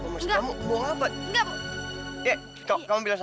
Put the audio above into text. mau apaan loh